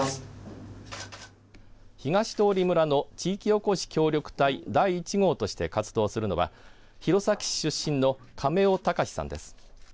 東通村の地域おこし協力隊第１号として活動するのは弘前市出身の亀尾喬さんです。